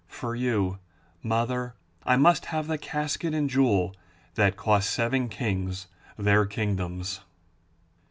For you, mother, I must have the casket and jewel that cost seven kings their kingdoms.